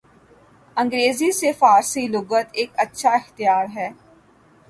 انگریزی سے فارسی لغت ایک اچھا اختیار ہے